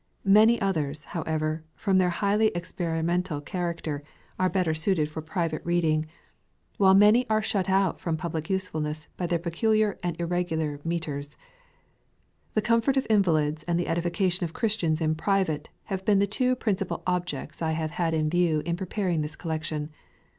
Many others, however, from their highly B^perimentfil characterj are better suited for pr PREFACE. 5 rate reading; Tvhile many are shut out from public usefulness by their peculiar and irregular metres. The comfort of invalids and the edification of Christians in private, have been the two principal objects I have had in view in preparing this col lection.